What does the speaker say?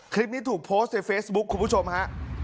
คลิปนี้ถูกโพสต์ในเฟซบุ๊คคุณผู้ชมฮะ